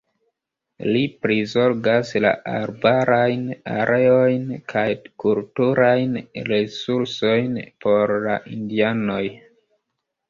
Li prizorgas la arbarajn areojn kaj kulturajn resursojn por la indianoj.